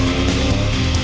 tiga dua satu